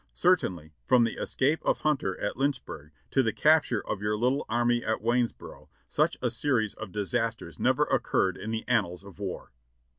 Certainly, from the escape of Hunter at Lynchburg to the capture of your little army at Waynesboro, such a series of disasters never occurred in the an nals of war.